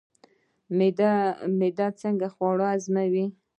معده څنګه خواړه هضموي؟